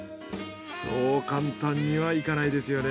そう簡単にはいかないですよね。